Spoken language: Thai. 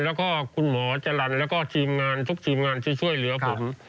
แล้วก็คุณหมอจรรย์แล้วก็ทีมงานทุกทีมงานที่ช่วยเหลือผม